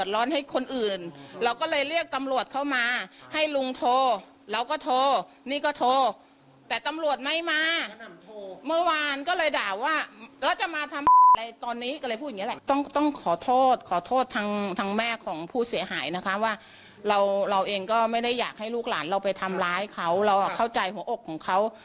ว่าเราเองก็ไม่ได้อยากให้ลูกหลานเราไปทำร้ายเขาเราเข้าใจของอกของเขา